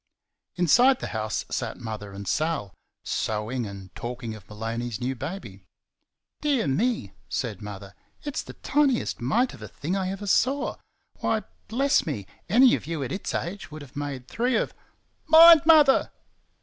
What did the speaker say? Inside the house sat Mother and Sal, sewing and talking of Maloney's new baby. "Dear me," said Mother; "it's the tiniest mite of a thing I ever saw; why, bless me, anyone of y' at its age would have made three of " "MIND, Mother!"